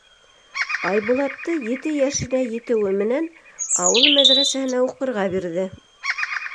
Айбулатты ете йәшенә етеүе менән ауыл мәҙрәсәһенә уҡырға бирҙе.